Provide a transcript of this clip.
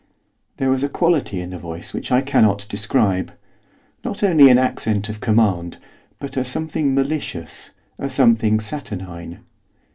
There was a quality in the voice which I cannot describe. Not only an accent of command, but a something malicious, a something saturnine.